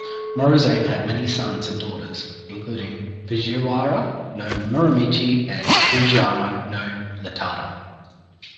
Morozane had many sons and daughters, including Fujiwara no Moromichi and Fujiwara no Ietada.